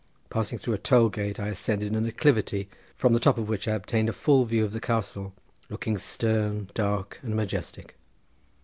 Passing through a toll gate I ascended an acclivity, from the top of which I obtained a full view of the castle, looking stern, dark, and majestic.